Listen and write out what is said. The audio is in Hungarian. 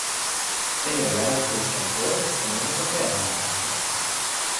Egyre jelentősebb volt a németek ellenállása.